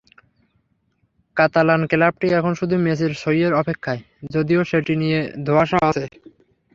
Catalan ক্লাবটি এখন শুধু মেসির সইয়ের অপেক্ষায়, যদিও সেটি নিয়ে ধোঁয়াশা আছে।